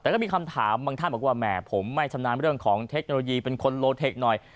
แต่ก็มีคำถามบางท่านบอกว่าแหมผมไม่ชำนาญเรื่องของเทคโนโลยีเป็นคนโลเทคหน่อย